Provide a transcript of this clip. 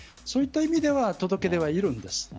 そういった意味では届け出はいるんです。